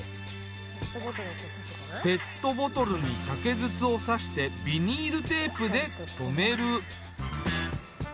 ペットボトルに竹筒を挿してビニールテープで留める。